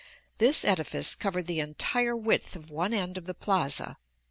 This edifice covered the entire width of one end of the plaza.